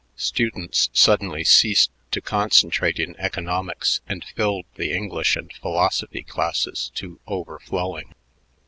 Students suddenly ceased to concentrate in economics and filled the English and philosophy classes to overflowing.